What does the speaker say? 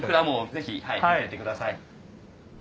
ぜひ見てってください。